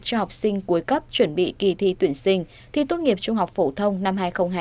cho học sinh cuối cấp chuẩn bị kỳ thi tuyển sinh thi tốt nghiệp trung học phổ thông năm hai nghìn hai mươi